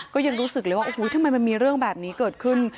ก็ยังรู้สึกเลยว่าโอ้โหทำไมมันมีเรื่องแบบนี้เกิดขึ้น